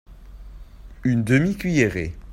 Une demi-cuillerée.